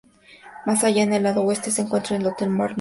Más allá, en el lado oeste, se encuentra el Hotel Balmoral.